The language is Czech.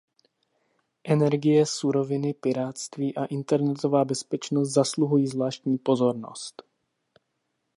Energie, suroviny, pirátství a internetová bezpečnost zasluhují zvláštní pozornost.